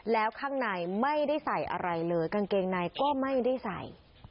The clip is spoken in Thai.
แล้วข้างในไม่ได้ใส่อะไรเลยกางเกงในก็ไม่ได้ใส่